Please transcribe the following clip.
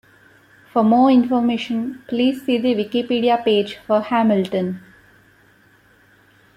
For more information, please see the Wikipedia page for Hamilton.